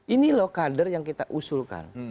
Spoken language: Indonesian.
ini loh kader yang kita usulkan